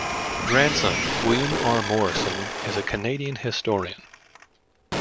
His grandson, William R. Morrison, is a Canadian historian.